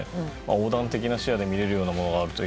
横断的な視野で見れるようになるものがあると。